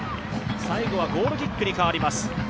最後はゴールキックに変わります。